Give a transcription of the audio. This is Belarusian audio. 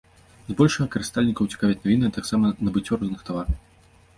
Збольшага карыстальнікаў цікавяць навіны, а таксама набыццё розных тавараў.